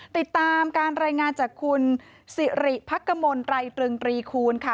ติดตามการรายงานจากคุณสิริพักกมลไตรตรึงตรีคูณค่ะ